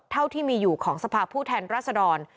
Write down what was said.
เท่าที่มีอยู่ของสภาพผู้แทนรัศดร